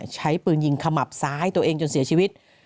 ใช้ปืนยิงขมับซ้ายตัวเองจนเสียชีวิต